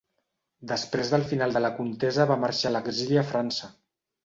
Després del final de la contesa va marxar a l'exili a França.